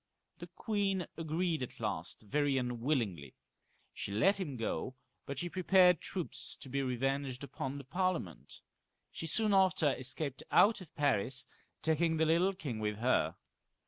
The queen agreed at last, very unwillingly ; she let him go, but she prepared troops to be revenged upon the Parliament. She soon after escaped out of Paris, taking the little king with her.